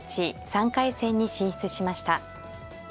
３回戦に進出しました。